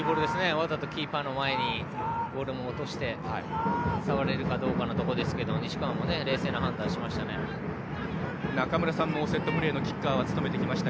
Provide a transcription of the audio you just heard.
わざとキーパーの前にボールを落として触れるかどうかのところですが西川も冷静な判断をしました。